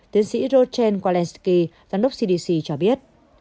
tiến sĩ rodan walensky giám đốc cdc cho biết